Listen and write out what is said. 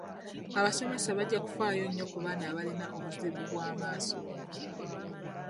Abasomesa bajja kufaayo nnyo ku baana abalina obuzibu bw'amaaso buno.